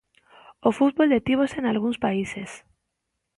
O fútbol detívose nalgúns países.